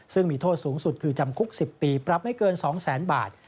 ซึ่งมีโทษสูงสุดคือจำคุก๑๐ปีปรับไม่เกิน๒๐๐๐๐บาท